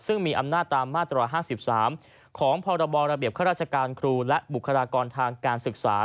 ซึ่งมีอำนาจตามมาตร๕๓ของพรรคและบุคลากรทางการศึกษา